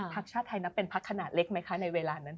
พักชาติไทยนับเป็นพักขนาดเล็กไหมคะในเวลานั้น